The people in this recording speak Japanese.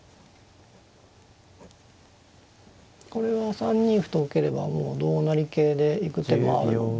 これを３二歩と受ければもう同成桂で行く手もあるので。